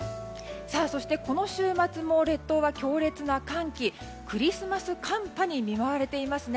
そしてこの週末も列島は強烈な寒気クリスマス寒波に見舞われていますね。